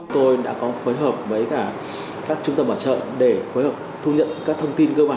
tôi đã có phối hợp với cả các trung tâm bảo trợ để phối hợp thu nhận các thông tin cơ bản